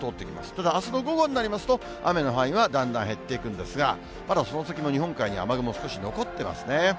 ただあすの午後になりますと、雨の範囲はだんだん減っていくんですが、まだその先も日本海に雨雲少し残ってますね。